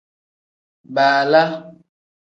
Baala.